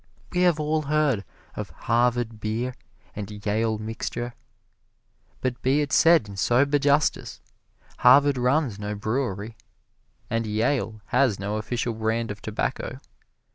We have all heard of Harvard Beer and Yale Mixture, but be it said in sober justice, Harvard runs no brewery, and Yale has no official brand of tobacco.